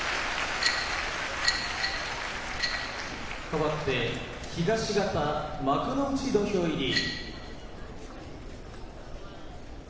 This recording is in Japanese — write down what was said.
かわって東方幕内土俵入り。